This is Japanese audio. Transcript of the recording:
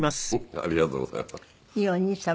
ありがとうございます。